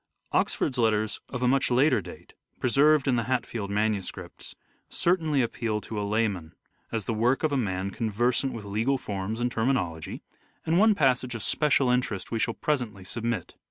Oxford's letters of a much later date, preserved in the Hatfield Manuscripts, certainly appeal to a layman as the work of a man conversant with legal forms and terminology, and one' passage of EARLY LIFE OF EDWARD DE VERE 239 special interest we shall presently submit